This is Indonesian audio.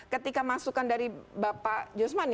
ketika masukan dari bapak josman